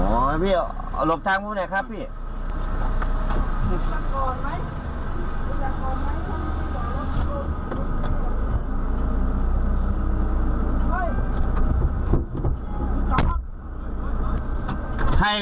สวัสดีครับทุกคน